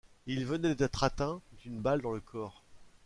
Il venait d'être atteint d'une balle dans le corps.